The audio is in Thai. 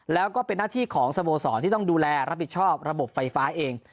แล้วก็เป็นหน้าที่ของสโมสรที่ต้องดูแลรับผิดชอบระบบไฟฟ้าเอง